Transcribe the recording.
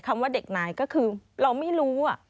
ว่าเด็กนายก็คือเราไม่รู้